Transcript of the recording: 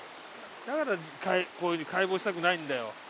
だからこういう風に解剖したくないんだよ。